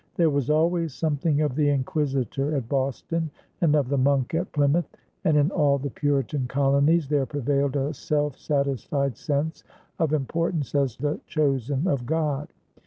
There was always something of the inquisitor at Boston and of the monk at Plymouth, and in all the Puritan colonies there prevailed a self satisfied sense of importance as the chosen of God.